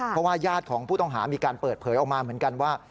เพราะว่าญาติของผู้ต้องหามีการเปิดเผยออกมาเหมือนกันว่า